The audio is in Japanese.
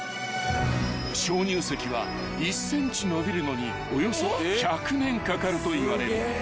［鍾乳石は１ｃｍ伸びるのにおよそ１００年かかるといわれる］